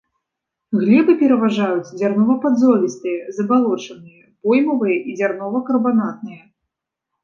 Глебы пераважаюць дзярнова-падзолістыя, забалочаныя, поймавыя і дзярнова-карбанатныя.